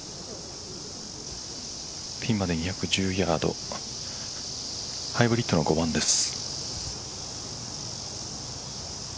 ピンまで２１０ヤードハイブリッドの５番です。